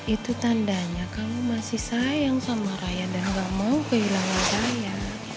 itu tandanya kamu masih sayang sama raya dan gak mau kehilangan saya